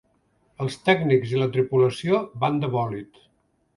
Els tècnics i la tripulació van de bòlit.